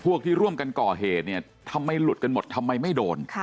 ที่ร่วมกันก่อเหตุเนี่ยทำไมหลุดกันหมดทำไมไม่โดน